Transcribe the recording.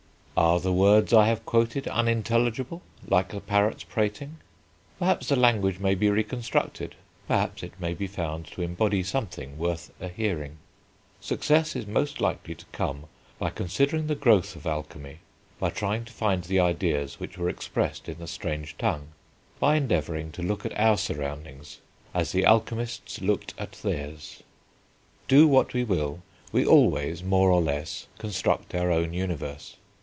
Are the words I have quoted unintelligible, like the parrot's prating? Perhaps the language may be reconstructed; perhaps it may be found to embody something worth a hearing. Success is most likely to come by considering the growth of alchemy; by trying to find the ideas which were expressed in the strange tongue; by endeavouring to look at our surroundings as the alchemists looked at theirs. Do what we will, we always, more or less, construct our own universe.